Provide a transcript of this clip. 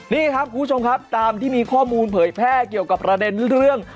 นี่ครับคุณผู้ชมครับตามที่มีข้อมูลเผยแพร่เกี่ยวกับประเด็นเรื่อง